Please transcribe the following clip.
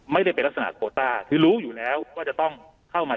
ไม่ได้เป็นลักษณะโคต้าคือรู้อยู่แล้วว่าจะต้องเข้ามา